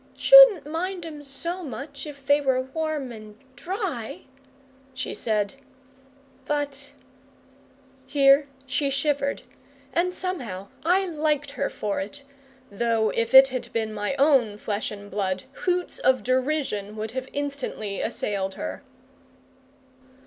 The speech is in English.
"Shouldn't mind 'em so much if they were warm and DRY," she said, "but " here she shivered, and somehow I liked her for it, though if it had been my own flesh and blood hoots of derision would have instantly assailed her.